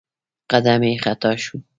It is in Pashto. قدم يې خطا شو.